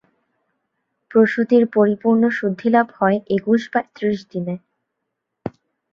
প্রসূতির পরিপূর্ণ শুদ্ধিলাভ হয় একুশ বা ত্রিশ দিনে।